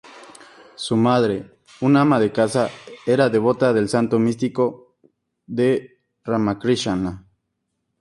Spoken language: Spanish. Su madre, una ama de casa, era devota del santo místico de Ramakrishna.